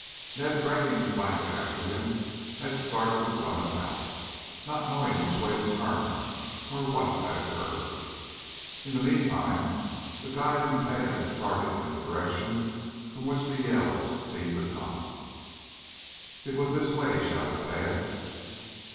Ned, dragging his blanket after him, had started to run about, not knowing which way to turn nor what had occurred. In the meantime the guide and Tad had started in the direction from which the yells had seemed to come. "It was this way," shouted Tad.